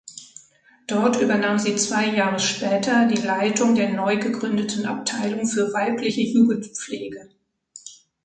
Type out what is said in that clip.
Dort übernahm sie zwei Jahre später die Leitung der neugegründeten Abteilung für weibliche Jugendpflege.